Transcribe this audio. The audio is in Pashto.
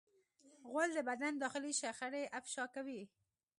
غول د بدن داخلي شخړې افشا کوي.